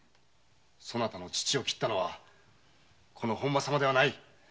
そなたの父を斬ったのは本間様ではない！